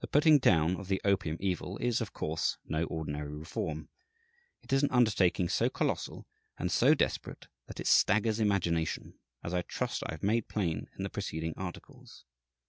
The putting down of the opium evil is, of course, no ordinary reform. It is an undertaking so colossal and so desperate that it staggers imagination, as I trust I have made plain in the preceding articles.